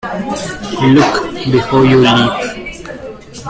Look before you leap.